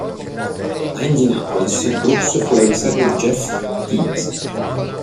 A Indianapolis Brooks fu la riserva di Jeff Teague.